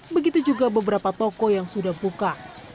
begitu juga beberapa toko yang sudah buka